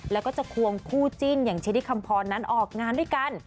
แล้วก็จะควงคู่จิ้นอย่างเชลิคำพรนั้นออกงานด้วยกัน